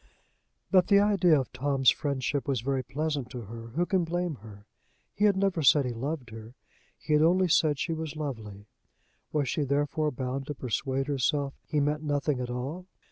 That the idea of Tom's friendship was very pleasant to her, who can blame her? He had never said he loved her; he had only said she was lovely: was she therefore bound to persuade herself he meant nothing at all?